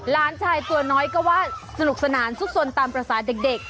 หลานชายตัวน้อยก็ว่าสนุกสนานสุดสนตามภาษาเด็ก